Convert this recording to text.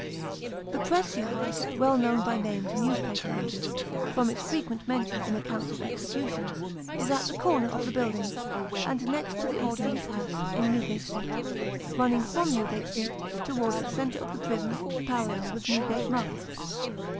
The press yard, well known by name to newspaper readers, from its frequent mention in accounts of executions, is at the corner of the building, and next to the ordinary's house, in Newgate Street : running from Newgate Street, towards the centre of the prison, parallel with Newgate Market.